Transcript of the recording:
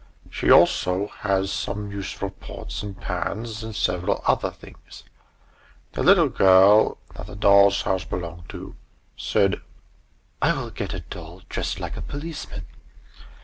She also has some useful pots and pans, and several other things. The little girl that the doll's house belonged to, said, "I will get a doll dressed like a policeman!"